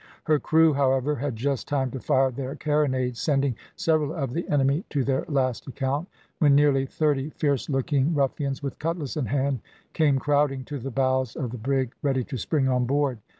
Her crew, however, had just time to fire their carronades, sending several of the enemy to their last account, when nearly thirty fierce looking ruffians, with cutlass in hand, came crowding to the bows of the brig, ready to spring on board.